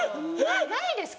ないですか？